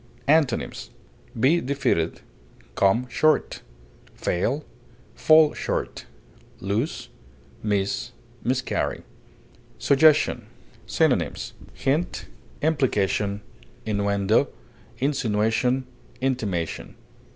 Antonyms: be defeated, come short, fail, fall short, lose, miss, miscarry. SUGGESTION. Synonyms: hint, implication, innuendo, insinuation, intimation.